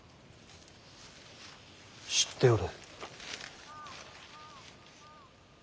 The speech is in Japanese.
知っておる。